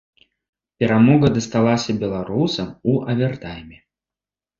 Перамога дасталася беларусам у авертайме.